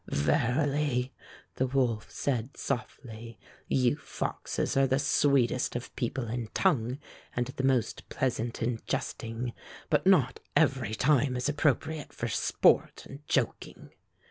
"Verily," the wolf said softly, "you foxes are the sweetest of people in tongue and the most pleasant in jesting. But not every time is appropriate for sport and jok ing."